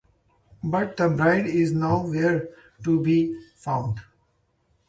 But the Bride is nowhere to be found.